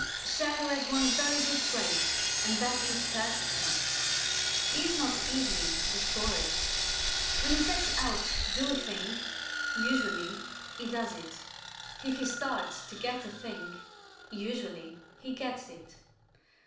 Shadow has one very good trait, and that is persistence. He is not easily discouraged. When he sets out to do a thing, usually he does it. If he starts to get a thing, usually he gets it.